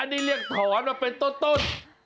นี่เรียกถอนมาเป็นต้น